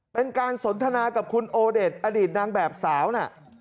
เป็นการสนทนากับคุณโอเดชอดีตนางแบบสาวน่ะ